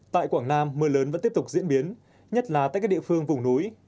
tại quảng nam mưa lớn vẫn tiếp tục diễn biến nhất là tại các địa phương vùng núi